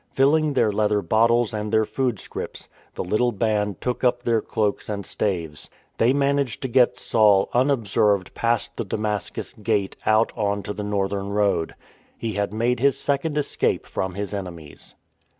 Filling their leather bottles and their food scrips, the little band took up their cloaks and staves. They managed to get Saul unobserved past the Damascus gate out on to the northern road. He had made his second escape from his enemies.